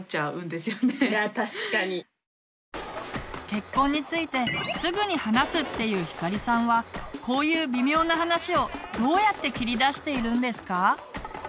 結婚についてすぐに話すっていうひかりさんはこういう微妙な話をどうやって切り出しているんですか？